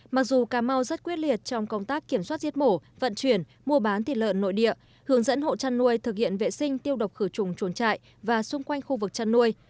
mặc dù cà mau rất quyết liệt trong công tác kiểm soát giết mổ vận chuyển mua bán thịt lợn nội địa hướng dẫn hộ chăn nuôi thực hiện vệ sinh tiêu độc khử trùng chuồn trại và xung quanh khu vực chăn nuôi